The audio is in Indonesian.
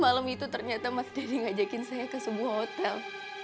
malam itu ternyata mas deddy ngajakin saya ke sebuah hotel